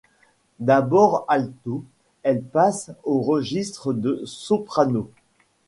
D'abord alto, elle passe au registre de soprano.